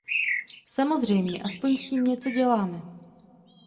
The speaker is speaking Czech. Samozřejmě, aspoň s tím něco děláme.